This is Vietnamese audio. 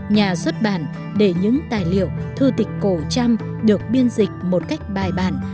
nhà xuất bản để những tài liệu thư tịch cổ trăm được biên dịch một cách bài bản